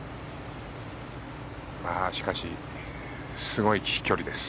しかし、すごい飛距離です。